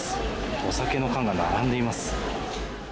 お酒の缶が並んでいます。